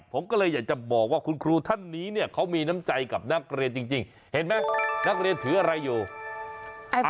ผมก็เลยอยากจะบอกว่าคุณครูท่านนี้เนี่ยเขามีน้ำใจกับนักเรียนจริงเห็นไหมนักเรียนถืออะไรอยู่